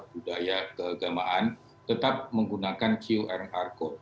budaya keagamaan tetap menggunakan qr code